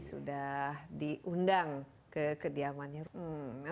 sudah diundang ke kediamannya